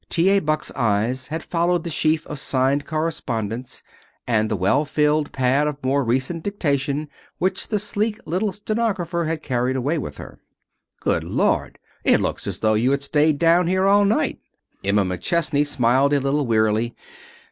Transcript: T. A. Buck's eyes had followed the sheaf of signed correspondence, and the well filled pad of more recent dictation which the sleek little stenographer had carried away with her. "Good Lord! It looks as though you had stayed down here all night." Emma McChesney smiled a little wearily.